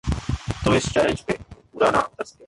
تو اس چیلنج پہ وہ پورا نہ اتر سکے۔